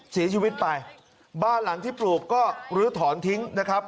เสียชีวิตไปบ้านหลังที่ปลูกก็ลื้อถอนทิ้งนะครับ